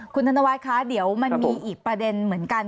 คุณธนวัฒน์คะเดี๋ยวมันมีอีกประเด็นเหมือนกัน